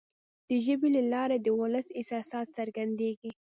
د ژبي له لارې د ولس احساسات څرګندیږي.